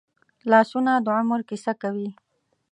لاسونه د عمر کیسه کوي